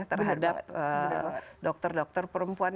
terhadap dokter dokter perempuan